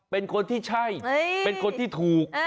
เป็นคนที่ใช่เป็นคนที่ถูก